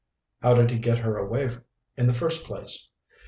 "How did he get her away in the first place?"